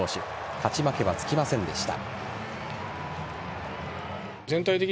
勝ち負けはつきませんでした。